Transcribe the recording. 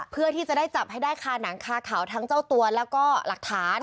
เพื่อที่จะได้จับให้ได้คาหนังคาขาวทั้งเจ้าตัวแล้วก็หลักฐาน